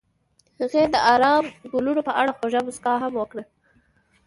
هغې د آرام ګلونه په اړه خوږه موسکا هم وکړه.